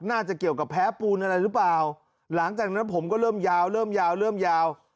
น่าจะเกี่ยวกับแพ้ปูนอะไรหรือเปล่าหลังจากนั้นผมก็เริ่มยาวเริ่มยาวเริ่มยาว